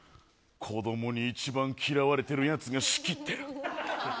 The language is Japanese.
子供に一番嫌われてるやつが仕切ってる。